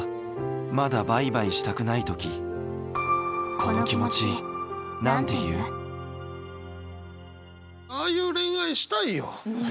まだバイバイしたくない時ああいう恋愛したいよ。